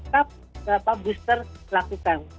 tetap booster lakukan